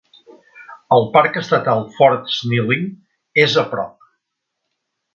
El parc estatal Fort Snelling és a prop.